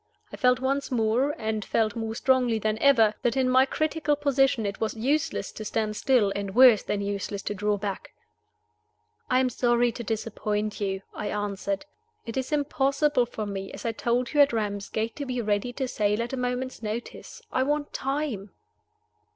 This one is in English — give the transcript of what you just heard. I felt once more, and felt more strongly than ever, that in my critical position it was useless to stand still, and worse than useless to draw back. "I am sorry to disappoint you," I answered. "It is impossible for me (as I told you at Ramsgate) to be ready to sail at a moment's notice. I want time."